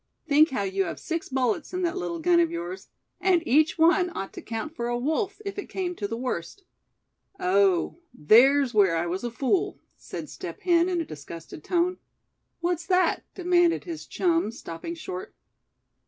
Think how you have six bullets in that little gun of yours; and each one ought to count for a wolf, if it came to the worst." "Oh! there's where I was a fool!" said Step Hen, in a disgusted tone. "What's that?" demanded his chum, stopping short.